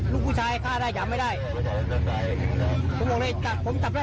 ลูกผู้ชายฆ่าได้หยามไม่ได้ผมบอกเลยผมจับได้ผมไม่เอาไว้